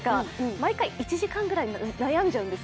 毎回、１時間ぐらい悩んじゃうんです。